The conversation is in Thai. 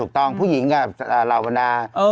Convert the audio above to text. ต้องผู้หญิงกับเหล่าบรรดา